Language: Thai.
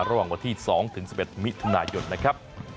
ระหว่างวันที่๒๑๑มิถุนายนนะครับ